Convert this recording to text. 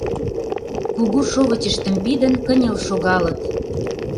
Кугу шовычыштым пидын, кынел шогалыт.